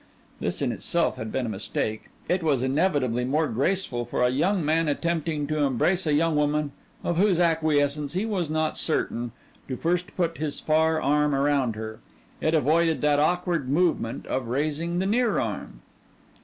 This in itself had been a mistake. It was inevitably more graceful for a young man attempting to embrace a young lady of whose acquiescence he was not certain, to first put his far arm around her. It avoided that awkward movement of raising the near arm.